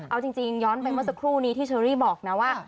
เอาจริงย้อนไปเมื่อสักครู่นี้ที่เชอรี่บอกนะว่า